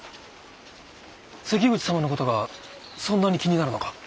関口様の事がそんなに気になるのか？